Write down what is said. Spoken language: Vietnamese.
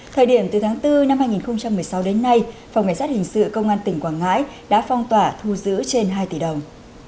thời điểm từ tháng bốn năm hai nghìn một mươi sáu đến nay phòng ngáy sát hình sự công an tỉnh quảng ngãi đã phong tỏa thu giữ trên hai tỷ đồng